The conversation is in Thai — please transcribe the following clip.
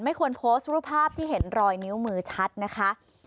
ควรโพสต์รูปภาพที่เห็นรอยนิ้วมือชัดนะคะ